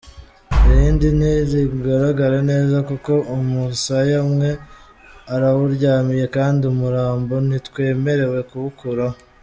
Irindi ntirigaragara neza kuko umusaya umwe arawuryamiye kandi umurambo ntitwemerewe kuwukoraho.